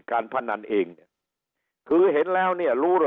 การพันธ์นั้นเอง